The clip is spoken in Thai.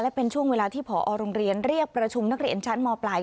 เป็นช่วงเวลาที่ผอโรงเรียนเรียกประชุมนักเรียนชั้นมปลาย